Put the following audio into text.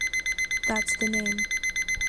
That's the name.